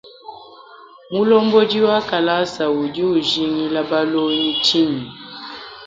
Mulombodi wa kalasa udi ujingila balongi tshinyi?